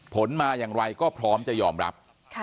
ผลมาอย่างไรก็พร้อมจะยอมรับ